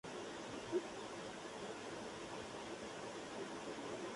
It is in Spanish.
En sus novelas, mezcla realismo con psicoanálisis.